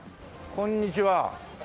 こんにちは。